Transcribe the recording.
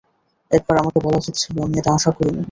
একবার আমাকে বলা উচিত ছিল, আমি এটা আশা করিনি।